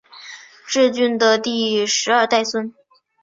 挚峻的第十二代孙。